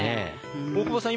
大久保さん